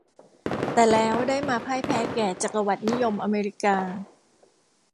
แต่แล้วได้มาพ่ายแพ้แก่จักรวรรดินิยมอเมริกา